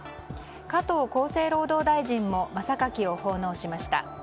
加藤厚生労働大臣も真榊を奉納しました。